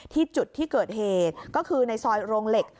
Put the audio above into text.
จุดที่เกิดเหตุก็คือในซอยโรงเหล็ก